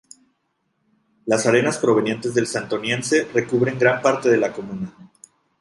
Las arenas provenientes del Santoniense recubren gran parte de la comuna.